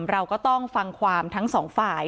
เราก็ต้องฟังความทั้งสองฝ่าย